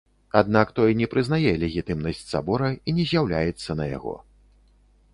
Аднак той не прызнае легітымнасць сабора і не з'яўляецца на яго.